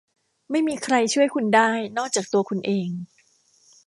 ไม่มีใครช่วยคุณได้นอกจากตัวคุณเอง